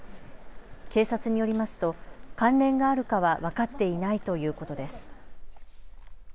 警察によりますと関連があるかは分かっていないということです。